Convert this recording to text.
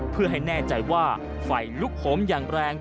เพื่อให้แน่ใจว่าไฟลุกโหมอย่างแรง